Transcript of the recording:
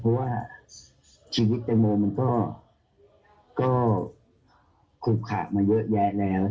เพราะว่าชีวิตแตงโมมันก็คุมขาดมาเยอะแยะแล้ว